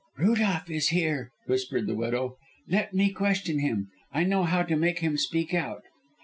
"Rudolph is here," whispered the widow. "Let me question him. I know how to make him speak out."